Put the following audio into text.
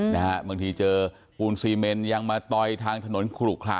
บางทีเจอปูนซีเมนยังมาตอยทางถนนกลุ่บคละ